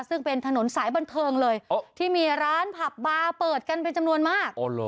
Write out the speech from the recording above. ซึ่งเป็นถนนสายบันเทิงเลยที่มีร้านผับบาร์เปิดกันเป็นจำนวนมาก